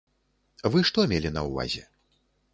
Вы што мелі на ўвазе?